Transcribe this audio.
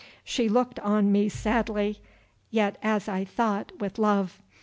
She looked on me sadly, yet as I thought with love.